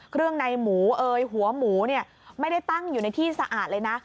เครื่องในหมูหัวหมูไม่ได้ตั้งอยู่ในที่สะอาดเลยนะ